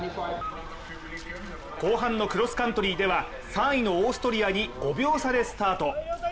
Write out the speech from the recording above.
後半のクロスカントリーでは３位のオーストリアに５秒差でスタート。